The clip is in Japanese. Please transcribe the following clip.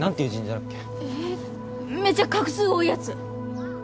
えっめちゃ画数多いやつ。